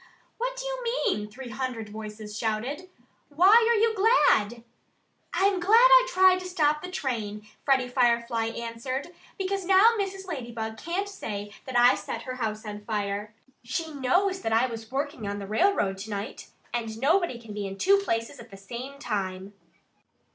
"What do you mean?" three hundred voices shouted. "Why are you glad?" "I'm glad I tried to stop the train," Freddie Firefly answered, "because now Mrs. Ladybug can't say that I set her house on fire. She knows that I was working on the railroad to night. And nobody can be in two places at the same time."